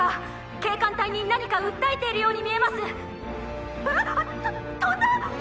警官隊に何か訴えているように見えますえっ！と飛んだ！？